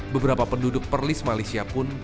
beberapa penduduk perlis malaysia pun